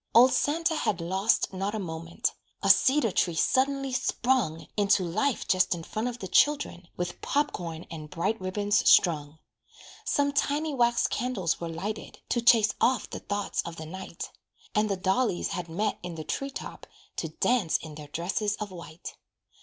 Old Santa had lost not a moment. A cedar tree suddenly sprung Into life just in front of the children, With pop corn and bright ribbons strung. Some tiny wax candles were lighted, To chase off the thoughts of the night; And the dollies had met in the tree top To dance in their dresses of white.